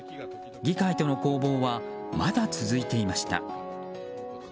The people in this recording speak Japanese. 議会との攻防はまだ続いていました。